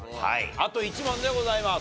あと１問でございます。